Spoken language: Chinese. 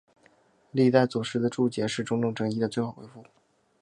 历代祖师的注解是对种种争议的最好回复。